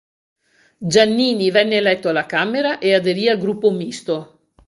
Giannini venne eletto alla Camera e aderì al gruppo Misto.